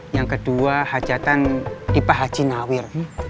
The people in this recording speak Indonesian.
yang kedua hajatan di pak haji nawir